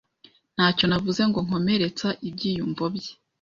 Ntacyo navuze ngo nkomeretsa ibyiyumvo bye.